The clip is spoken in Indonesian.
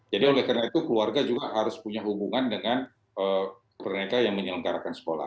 jadi oleh karena itu keluarga juga harus punya hubungan dengan mereka yang menyelengkarakan sekolah